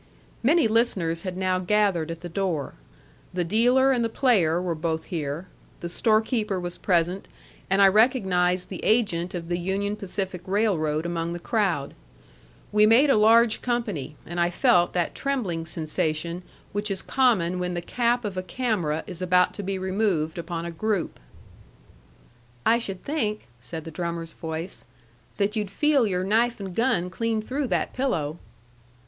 Many listeners had now gathered at the door. The dealer and the player were both here. The storekeeper was present, and I recognized the agent of the Union Pacific Railroad among the crowd. We made a large company, and I felt that trembling sensation which is common when the cap of a camera is about to be removed upon a group. "I should think," said the drummer's voice, "that you'd feel your knife and gun clean through that pillow."